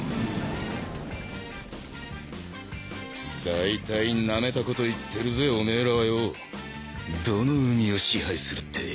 大体ナメたこと言ってるぜオメエらはよどの海を支配するって？